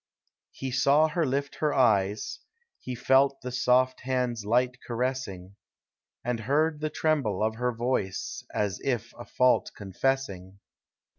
He saw her lift her eyes; he felt The soft hands light caressing, And heard the tremble of her voice, As if a fault confessing.